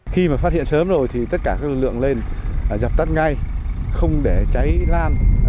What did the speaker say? khi mà phát hiện sớm rồi thì tất cả các lực lượng lên dập tắt ngay không để cháy lan